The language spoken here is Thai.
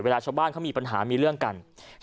ชาวบ้านเขามีปัญหามีเรื่องกัน